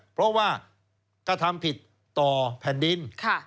เพราะว่ากระทำผิดต่อแผ่นดิน